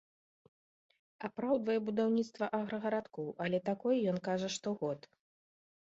Апраўдвае будаўніцтва аграгарадкоў, але такое ён кажа штогод.